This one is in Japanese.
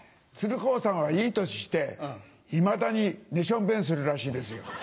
鶴光さんはいい年していまだに寝ションベンするらしいですよ。